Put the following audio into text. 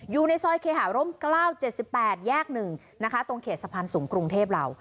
อยู่ในซอยเคหาร่ม๙๗๘แยก๑นะคะตรงเขตสะพานสูงกรุงเทพเรา